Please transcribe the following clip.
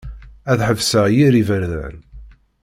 Ad ḥebseɣ yir iberdan.